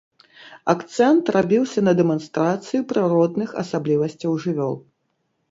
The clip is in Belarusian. Акцэнт рабіўся на дэманстрацыі прыродных асаблівасцяў жывёл.